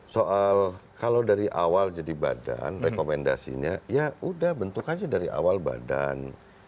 soal kalau dari awal jadi badan rekomendasinya ya udah bentuk aja dari awal badan